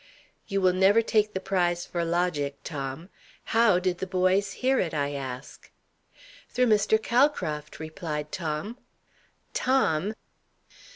"You will never take the prize for logic, Tom. How did the boys hear it, I ask?" "Through Mr. Calcraft," replied Tom. "Tom!"